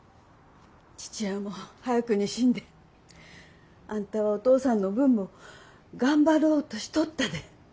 父親も早くに死んであんたはお父さんの分も頑張ろうとしとったで。